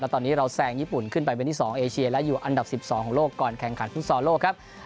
ตอนนี้เราแซงญี่ปุ่นขึ้นไปเป็นที่๒เอเชียและอยู่อันดับ๑๒ของโลกก่อนแข่งขันฟุตซอลโลกครับ